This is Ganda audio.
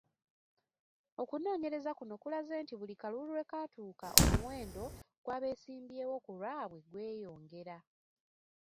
Okunoonyereza kuno kulaze nti buli kalulu lwe katuuka omuwendo gw'abeesimbyewo ku lwabwe gweyongera.